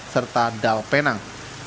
serta dal penang